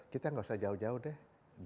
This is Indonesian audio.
kita nggak usah jauh jauh deh